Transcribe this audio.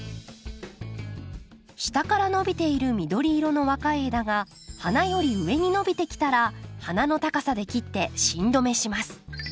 下から伸びている緑色の若い枝が花より上に伸びてきたら花の高さで切って芯止めします。